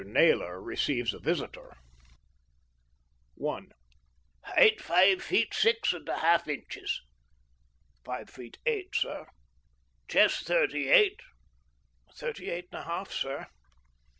NAYLOR RECEIVES A VISITOR I "Height five feet six and a half inches." "Five feet eight, sir." "Chest thirty eight." "Thirty eight and a half, sir."